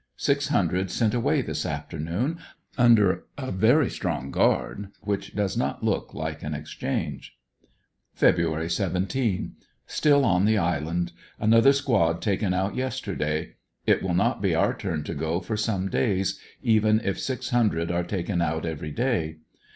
Six hundred sent away this afternoon imder a very strong guard, which does not look like an exchange. Feb. 17. — Still on the island. Another squad taken out yester day. It will not be our turn to go for some days, even if six hundred are taken out every day.